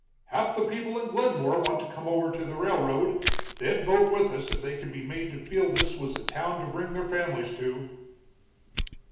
"Half the people in Glenmore want to come over to the railroad. They'd vote with us if they could be made to feel this was a town to bring their families to."